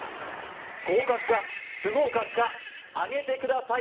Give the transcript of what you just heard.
合格か不合格かあげてください